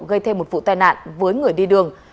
gây thêm một vụ tai nạn với người đi đường